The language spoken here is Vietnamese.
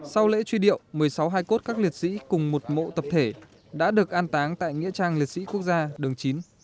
sau lễ truy điệu một mươi sáu hải cốt các liệt sĩ cùng một mộ tập thể đã được an táng tại nghĩa trang liệt sĩ quốc gia đường chín